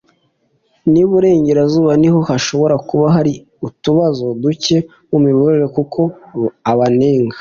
n Iburengerazuba niho hashobora kuba hari utubazo duke mu miyoborere kuko abanenga